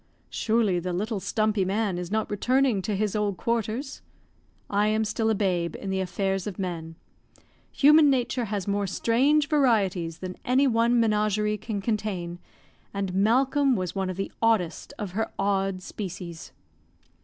"Surely the little stumpy man is not returning to his old quarters?" I am still a babe in the affairs of men. Human nature has more strange varieties than any one menagerie can contain, and Malcolm was one of the oddest of her odd species.